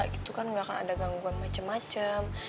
gitu kan gak akan ada gangguan macem macem